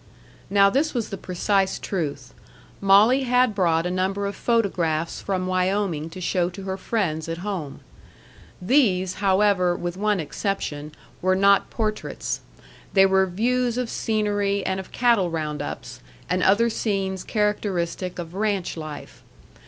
Now this was the precise truth. Molly had brought a number of photographs from Wyoming to show to her friends at home. These, however, with one exception, were not portraits. They were views of scenery and of cattle round ups, and other scenes characteristic of ranch life.